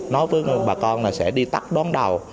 nói với bà con là sẽ đi tắt đón đầu